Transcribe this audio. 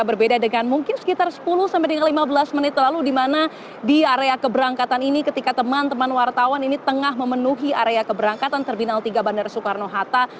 berbeda dengan mungkin sekitar sepuluh sampai dengan lima belas menit lalu di mana di area keberangkatan ini ketika teman teman wartawan ini tengah memenuhi area keberangkatan terminal tiga bandara soekarno hatta